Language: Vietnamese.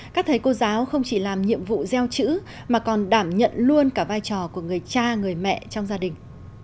các thầy cô giáo không chỉ làm nhiệm vụ gieo chữ mà còn đảm nhận luôn cả vai trò của người cha người mẹ trong gia đình